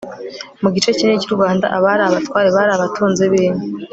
mu gice kinini cy'u rwanda abari abatware bari abatunzi binka